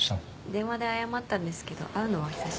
電話で謝ったんですけど会うのは久しぶりです。